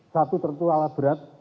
satu tertua alat berat